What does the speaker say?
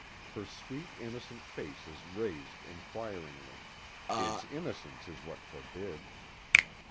Her sweet, innocent face is raised inquiringly its innocence is what forbids.